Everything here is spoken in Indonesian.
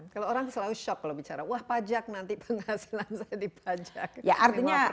kalau orang selalu shock kalau bicara wah pajak nanti penghasilan saya dipajak